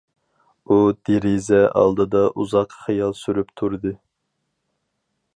ئۇ دېرىزە ئالدىدا ئۇزاق خىيال سۈرۈپ تۇردى.